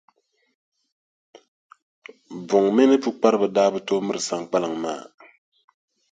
Buŋa mini Pukpara daa bi tooi miri Saŋkpaliŋ maa.